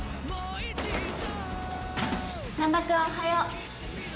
難破君おはよう。